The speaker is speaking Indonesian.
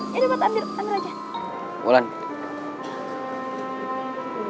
ya udah ambil ambil aja